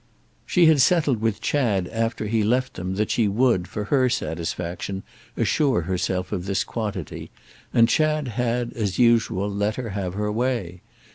She had settled with Chad after he left them that she would, for her satisfaction, assure herself of this quantity, and Chad had, as usual, let her have her way.